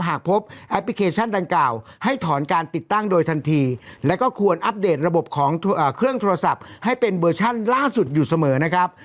หากพบแอปพลิเคชันดังกล่าวให้ถอนการติดตั้งโดยทันทีแล้วก็ควรอัปเดตระบบของเครื่องโทรศัพท์ให้เป็นเวอร์ชั่นล่าสุดอยู่เสมอนะครับ